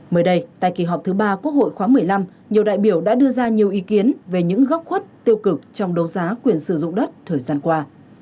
mới đây tại kỳ họp thứ ba quốc hội khóa một mươi năm nhiều đại biểu đã đưa ra nhiều ý kiến về những góc khuất tiêu cực trong đấu giá quyền sử dụng đất thời gian qua